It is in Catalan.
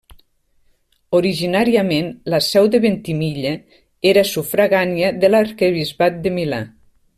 Originàriament, la seu de Ventimiglia era sufragània de l'arquebisbat de Milà.